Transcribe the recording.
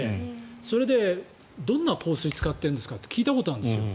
それでどんな香水を使ってるんですかと聞いたことあるんですよ。